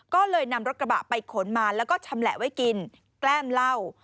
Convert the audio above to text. ก็เลยนำรถกระบะไปขนมาแล้วก็ชำแหละไว้กินแกล้มเหล้า